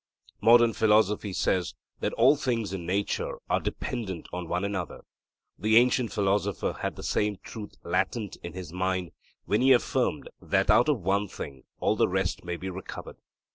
Modern philosophy says that all things in nature are dependent on one another; the ancient philosopher had the same truth latent in his mind when he affirmed that out of one thing all the rest may be recovered.